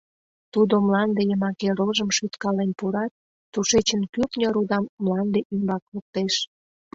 Тудо мланде йымаке рожым шӱткален пурат, тушечын кӱртньӧ рудам мланде ӱмбак луктеш.